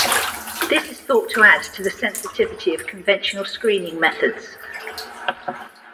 This is thought to add to the sensitivity of conventional screening methods.